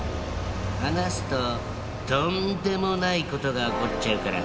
話すととんでもない事が起こっちゃうから。